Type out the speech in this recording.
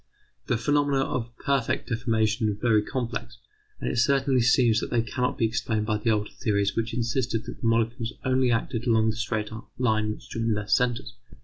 The phenomena of permanent deformation are very complex, and it certainly seems that they cannot be explained by the older theories which insisted that the molecules only acted along the straight line which joined their centres.